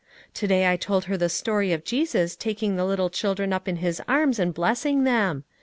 " To day I told her the story of Jesus taking the little children up in his arms and blessing them.